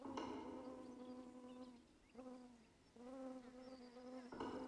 La tierra de los brigantes ya era sajona.